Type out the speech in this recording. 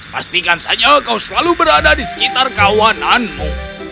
pastikan saja kau selalu berada di sekitar kawananmu